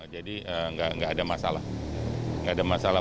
jadi tidak ada masalah